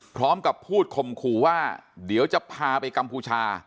พร้อมกับพูดข่มขู่ว่าเดี๋ยวจะพาไปกัมพูชา